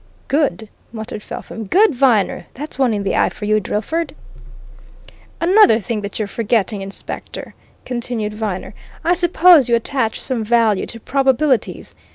"Good!" muttered Felpham. "Good, Viner! That's one in the eye for you, Drillford." "Another thing that you're forgetting, Inspector," continued Viner: "I suppose you attach some value to probabilities?